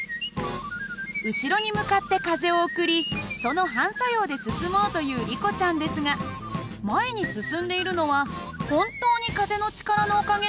後ろに向かって風を送りその反作用で進もうというリコちゃんですが前に進んでいるのは本当に風の力のおかげなのかな？